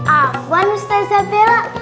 apaan ustazah bella